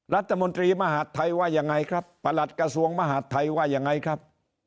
รัฐมนตรีมหาดไทยว่ายังไงครับประหลัดกระทรวงมหาดไทยว่ายังไงครับ